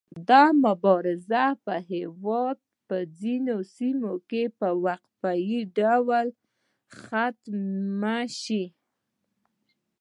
دا مبارزې په هیواد په ختیځو سیمو کې په وقفه يي ډول ختمې شوې.